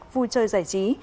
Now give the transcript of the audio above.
vui chơi giải trí